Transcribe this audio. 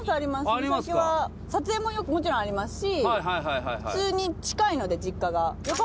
三崎は撮影ももちろんありますし普通に近いので実家が。